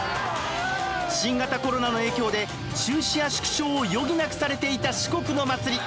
新型コロナの影響で中止や縮小を余儀なくされていた四国の祭り。